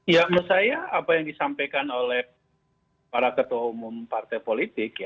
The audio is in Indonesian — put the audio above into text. ya menurut saya apa yang disampaikan oleh para ketua umum partai politik